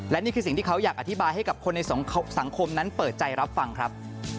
และนี่คือสิ่งที่เขาอยากอธิบายให้กับคนในสังคมนั้นเปิดใจรับฟังครับ